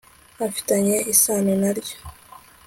afitanye isano na ryo